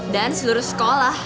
dan seluruh sekolah